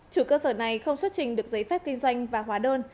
chủ cơ sở này không xuất trình được giấy phép kinh doanh và hóa đơn